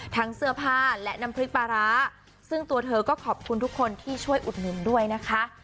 ทั้งเสื้อผ้าและน้ำพริกปลาร้าซึ่งตัวเธอก็ขอบคุณทุกคนที่ช่วยอุดหนุนด้วยนะคะ